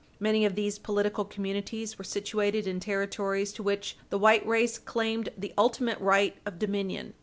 Many of these political communities were situated in territories to which the white race claimed the ultimate Page 60 U. S. 404 right of dominion.